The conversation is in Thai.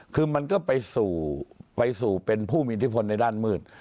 คือมันก็ไปสู่ไปสู่เป็นผู้มีอิทธิพลในด้านมืด